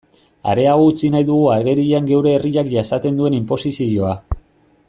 Areago utzi nahi dugu agerian geure herriak jasaten duen inposizioa.